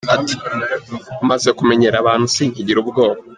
Ati: “Ubu maze kumenyera abantu sinkigira ubwoba.